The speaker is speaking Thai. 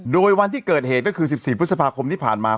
โดยวันที่เกิดเหตุก็คือ๑๔พฤษภาคมที่ผ่านมา